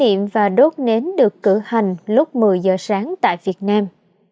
niệm và đốt nến được cử hành lúc một mươi h sáng tại việt nam